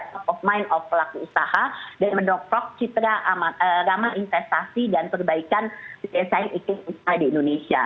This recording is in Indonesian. top of mind of pelaku usaha dan mendoprok citra ramah investasi dan perbaikan iklim usaha di indonesia